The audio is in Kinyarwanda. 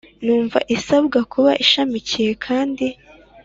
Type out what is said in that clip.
Ntumwa isabwa kuba ishamikiye kandi